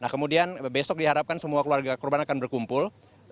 kemudian besok diharapkan semua keluarga korban akan berkumpul